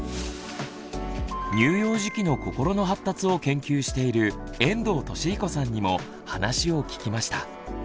乳幼児期の心の発達を研究している遠藤利彦さんにも話を聞きました。